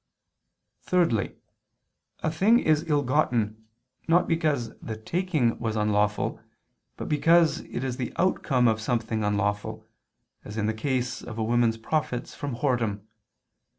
Thirdly, a thing is ill gotten, not because the taking was unlawful, but because it is the outcome of something unlawful, as in the case of a woman's profits from whoredom.